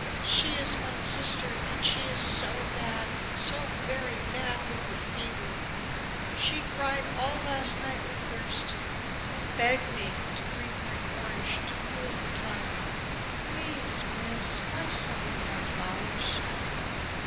"She is mine sister, and she is so bad, so very bad, with the fever. She cried all last night with thirst, and begged me to bring her an orange to cool her tongue. Please, miss, buy some of my flowers."